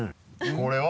これは？